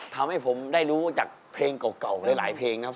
ทำให้ผมได้รู้จากเพลงเก่าแล้วหลายเพลงนะ